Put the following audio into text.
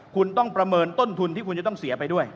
คุณต้องประเมินต้นทุนที่คุณจะต้องเสียไปด้วย